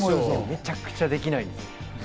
むちゃくちゃできないんですよ。